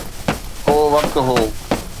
ڪو وقت هو.